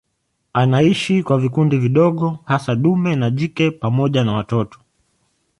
Anaishi kwa vikundi vidogo hasa dume na jike pamoja na watoto.